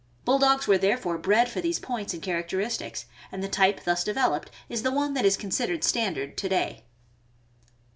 Bulldogs were therefore bred for these points and characteristics, and the type thus developed is the one that is considered standard to day.